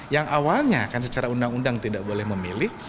yang awalnya kan secara undang undang tidak boleh memilih